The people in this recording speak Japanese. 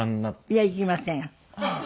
いや行きません。